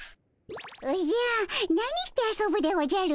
おじゃ何して遊ぶでおじゃる？